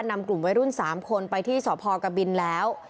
นำกลุ่มวัยรุ่น๓คนไปที่สพกบินแล้ว